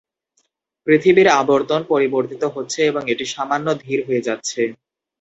পৃথিবীর আবর্তন পরিবর্তিত হচ্ছে এবং এটি সামান্য ধীর হয়ে যাচ্ছে।